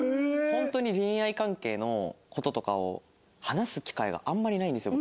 本当に恋愛関係の事とかを話す機会があんまりないんですよ